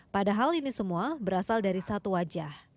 padahal ini semua berasal dari satu wajah